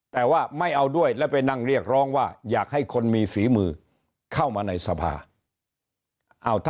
แต่ว่าไม่เอาด้วยแล้วไปนั่งเรียกร้องว่าอยากให้คนมีฝีมือเข้ามาในสภา